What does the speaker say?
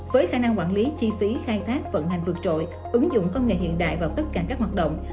với khả năng quản lý chi phí khai thác vận hành vượt trội ứng dụng công nghệ hiện đại vào tất cả các hoạt động